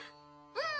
うん。